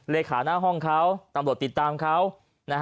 เลขาหน้าห้องเขาตำรวจติดตามเขานะฮะ